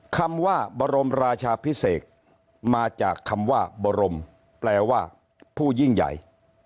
คำว่าบรมราชาพิเศษมาจากคำว่าบรมแปลว่าผู้ยิ่งใหญ่